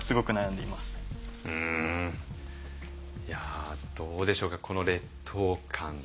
うんいやどうでしょうかこの劣等感。